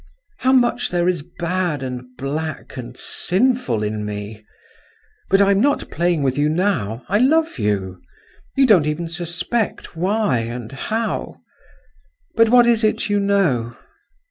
"How much there is bad and black and sinful in me!… But I am not playing with you now. I love you; you don't even suspect why and how…. But what is it you know?"